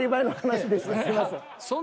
すいません。